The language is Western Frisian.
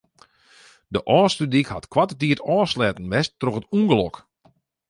De Ofslútdyk hat koarte tiid ôfsletten west troch it ûngelok.